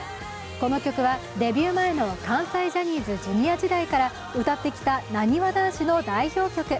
この曲はデビュー前の関西ジャニーズＪｒ．時代から歌ってきたなにわ男子の代表曲。